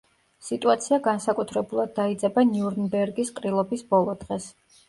სიტუაცია განსაკუთრებულად დაიძაბა ნიურნბერგის ყრილობის ბოლო დღეს.